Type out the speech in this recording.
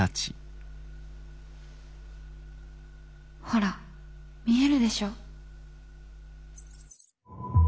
ほら見えるでしょ。